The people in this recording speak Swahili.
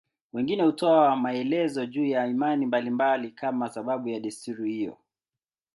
Wengine hutoa maelezo juu ya imani mbalimbali kama sababu ya desturi hiyo.